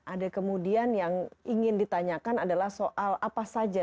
ada kemudian yang ingin ditanyakan adalah soal apa saja